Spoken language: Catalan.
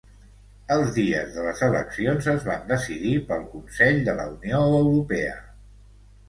Els dies de les eleccions es van decidir pel Consell de la Unió Europea.